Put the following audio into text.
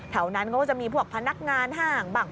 แถวนั้นเขาก็จะมีพวกพนักงานห้างบ้าง